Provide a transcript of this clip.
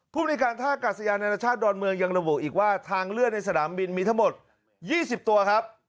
บริการท่ากาศยานานาชาติดอนเมืองยังระบุอีกว่าทางเลื่อนในสนามบินมีทั้งหมด๒๐ตัวครับ